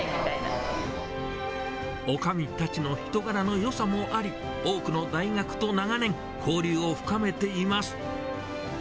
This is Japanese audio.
女将たちの人柄のよさもあり、多くの大学と長年、交流を深めています。